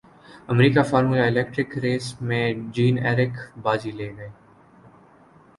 امریکہ formula electric race میں Jean Eric بازی لے گئے